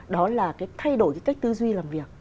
đó là thay đổi cách tư duy làm việc